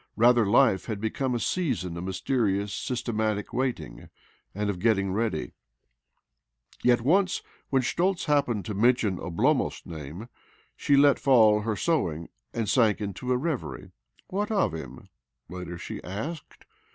Rather, life had become a season of mysterious, systematic waiting, and of getting ready. Yet once, when Schtoltz happened to men tion Oblomov's name, she let fall her sewing, and sank into a reverie. "What of him?" later she asked